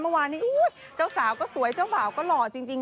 เมื่อวานนี้เจ้าสาวก็สวยเจ้าบ่าวก็หล่อจริง